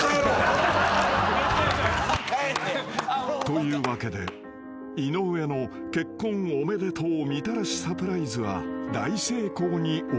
［というわけで井上の結婚おめでとうみたらしサプライズは大成功に終わった］